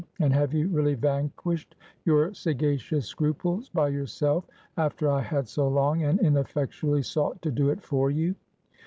and have you really vanquished your sagacious scruples by yourself, after I had so long and ineffectually sought to do it for you?